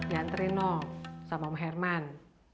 jantarin lo sama om herman